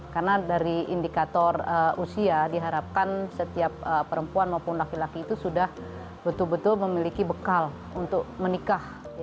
karena dari indikator usia diharapkan setiap perempuan maupun laki laki itu sudah betul betul memiliki bekal untuk menikah